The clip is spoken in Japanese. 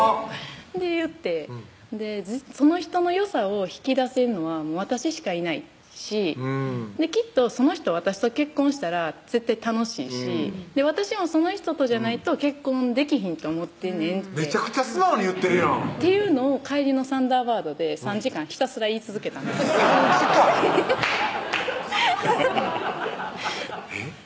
言って「その人のよさを引き出せんのは私しかいないしきっとその人私と結婚したら絶対楽しいし私もその人とじゃないと結婚できひんと思ってんねん」ってめちゃくちゃ素直に言ってるやんっていうのを帰りのサンダーバードで３時間ひたすら言い続けたんですハハハハッえっ？